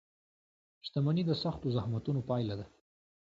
• شتمني د سختو زحمتونو پایله ده.